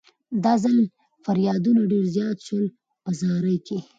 دا ځل فریادونه ډېر زیات شول په زارۍ کې.